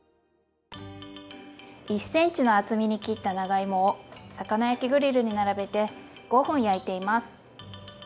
１ｃｍの厚みに切った長芋を魚焼きグリルに並べて５分焼いています。